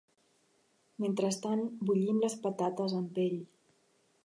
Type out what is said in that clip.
Mentrestant, bullim les patates amb pell.